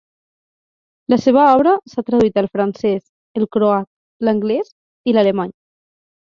La seva obra s'ha traduït al francès, el croat, l'anglès i l'alemany.